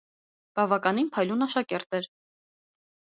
Բավականին փայլուն աշակերտ էր։